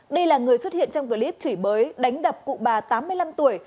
đây là người xuất hiện trong clip chỉ bới đánh đập cụ bà tám mươi năm tuổi